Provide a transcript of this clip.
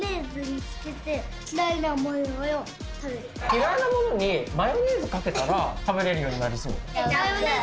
嫌いなものにマヨネーズかけたら食べれるようになりそう？